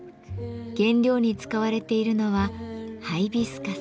原料に使われているのはハイビスカス。